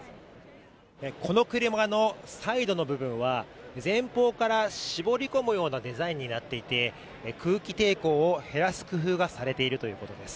この車のサイドの部分は前方から絞り込むようなデザインになっていて、空気抵抗を減らす工夫がされているということです。